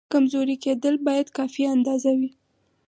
کمزوری کېدل باید کافي اندازه وي.